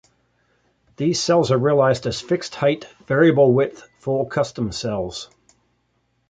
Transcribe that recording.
These cells are realized as fixed-height, variable-width full-custom cells.